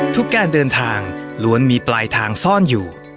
การเดินทางล้วนมีปลายทางซ่อนอยู่